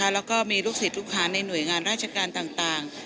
แล้วก็มีลูกศิษย์ลูกหาในหน่วยงานราชการต่าง